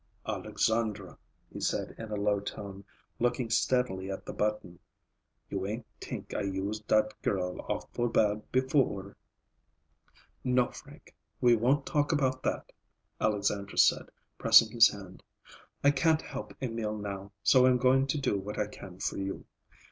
"Alexandra," he said in a low tone, looking steadily at the button, "you ain' t'ink I use dat girl awful bad before—" "No, Frank. We won't talk about that," Alexandra said, pressing his hand. "I can't help Emil now, so I'm going to do what I can for you.